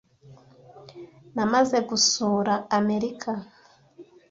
Namaze gusura Amerika.